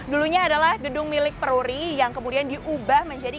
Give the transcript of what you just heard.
dulunya adalah gedung milik peruri yang kemudian diubah menjadi